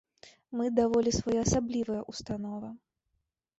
Мы даволі своеасаблівая ўстанова.